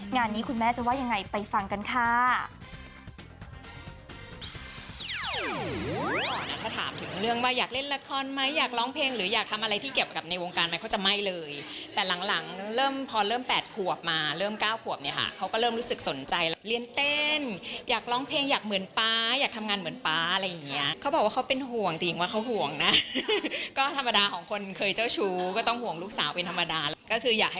งานนี้คุณแม่จะว่ายังไงไปฟังกันค่ะ